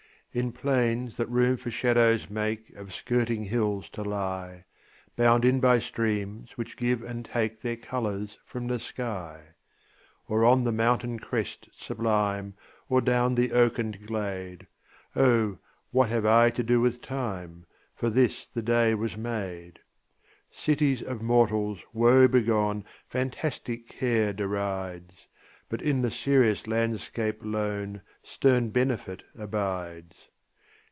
In plains that room for shadows make Of skirting hills to lie, Bound in by streams which give and take Their colours from the sky; Or on the mountain crest sublime, Or down the oaken glade, O what have I to do with time? For this the day was made. Cities of mortals woe begone Fantastic care derides, But in the serious landscape lone Stern benefit abides.